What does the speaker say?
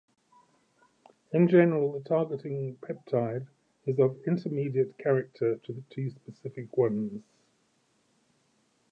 In general the targeting peptide is of intermediate character to the two specific ones.